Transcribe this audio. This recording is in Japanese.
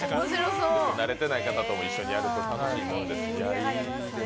慣れてない方とも一緒にやるのは楽しいものです。